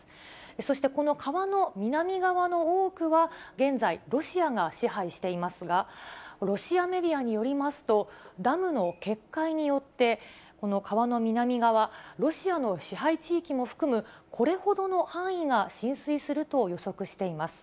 そしてこの川の南側の多くは、現在、ロシアが支配していますが、ロシアメディアによりますと、ダムの決壊によって、この川の南側、ロシアの支配地域も含む、これほどの範囲が浸水すると予測しています。